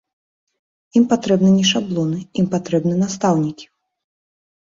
Ім патрэбны не шаблоны, ім патрэбны настаўнікі.